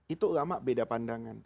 itu ulama beda pandangan